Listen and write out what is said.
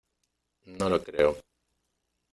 no lo creo.